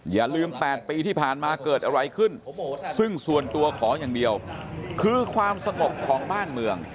อย่าลืม๘ปีที่ผ่านมาเกิดอะไรขึ้นซึ่งส่วนตัวขออย่างเดียวคือความสงบของบ้านเมือง